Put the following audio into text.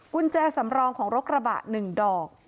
กุญแจสำรองของโรคระบะหนึ่งดอก